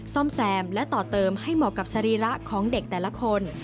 ซ่อมแซมและต่อเติมให้เหมาะกับสรีระของเด็กแต่ละคน